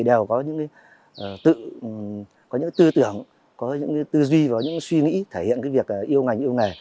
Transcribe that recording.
đều có những tư tưởng tư duy và suy nghĩ thể hiện việc yêu ngành yêu nghề